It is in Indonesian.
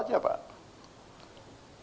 kita terbuka saja pak